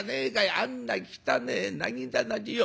あんな汚えなぎなたによ